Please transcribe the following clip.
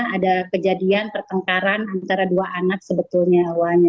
ada kejadian pertengkaran antara dua anak sebetulnya awalnya